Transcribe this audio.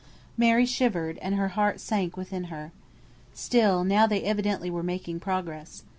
Mary shivered, and her heart sank within her. Still now they evidently were making progress.